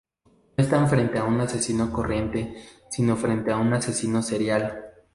No están frente a un asesino corriente sino frente a un asesino serial.